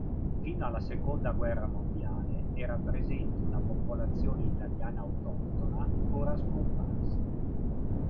Fino alla seconda guerra mondiale era presente una popolazione italiana autoctona, ora scomparsa.